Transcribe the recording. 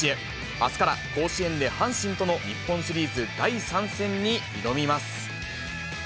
あすから甲子園で阪神との日本シリーズ第３戦に挑みます。